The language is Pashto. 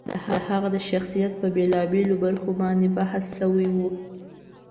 د هغه د شخصیت په بېلا بېلو برخو باندې بحث شوی و.